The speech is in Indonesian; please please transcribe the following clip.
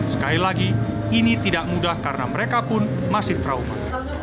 sekali lagi ini tidak mudah karena mereka pun masih trauma